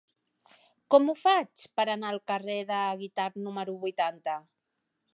Com ho faig per anar al carrer de Guitard número vuitanta?